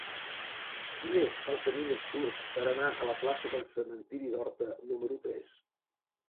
Quin és el camí més curt per anar a la plaça del Cementiri d'Horta número tres?